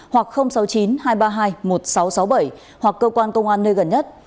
hai trăm ba mươi hai một nghìn sáu trăm sáu mươi bảy hoặc cơ quan công an nơi gần nhất